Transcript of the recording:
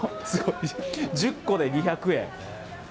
１０個で２００円。